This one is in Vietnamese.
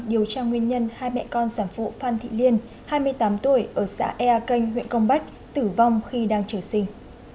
điều tra nguyên nhân hai mẹ con giảm phụ phan thị liên hai mươi tám tuổi ở xã ea canh huyện công bách tử vong khi đang trở sinh